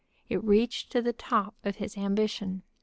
It reached to the top of his ambition.